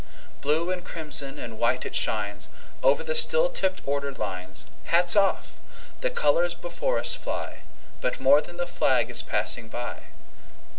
Blue and crimson and white it shines, Over the steel tipped, ordered lines. Hats off! The colors before us fly; But more than the flag is passing by.